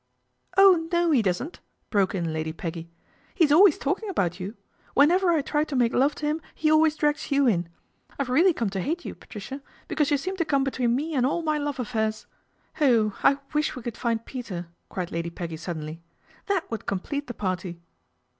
" Oh no, he doesn't !" broke in Lady Peggy, : he's always talking about you. Whenever I try o make love to him he always drags you in. I've eally come to hate you, Patricia, because you eem to come between me and all my love affairs. )h ! I wish we could find Peter," cried Lady J eggy suddenly, " that would complete the >arty."